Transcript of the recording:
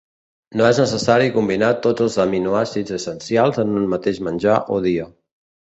No és necessari combinar tots els aminoàcids essencials en un mateix menjar o dia.